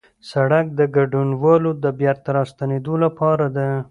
سړک د کډوالو د بېرته راستنېدو لاره ده.